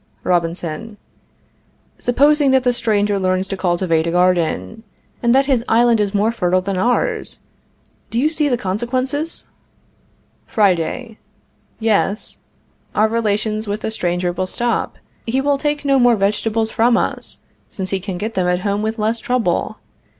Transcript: Robinson. Supposing that the stranger learns to cultivate a garden, and that his island is more fertile than ours. Do you see the consequences? Friday. Yes. Our relations with the stranger will stop. He will take no more vegetables from us, since he can get them at home with less trouble.